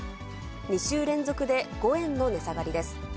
２週連続で５円の値下がりです。